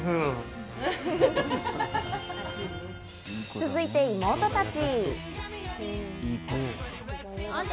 続いて妹たち。